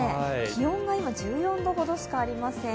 気温が今１４度ほどしかありません。